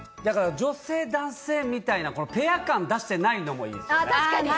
女性、男性みたいなペア感出してないのもいいですね。